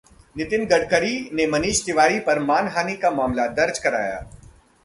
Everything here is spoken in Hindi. नितिन गडकरी ने मनीष तिवारी पर मानहानि का मामला दर्ज कराया